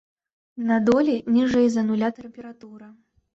На доле ніжэй за нуля тэмпература.